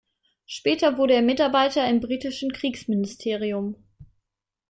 Später wurde er Mitarbeiter im britischen Kriegsministerium.